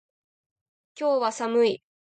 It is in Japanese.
今日は寒い